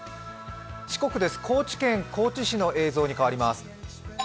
四国です、高知県高知市の映像に変わります。